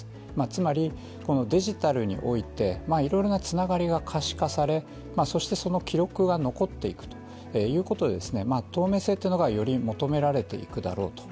つまり、デジタルにおいて、いろいろなつながりが可視化され、その記録が残っていくということで透明性というものがより求められていくだろうと。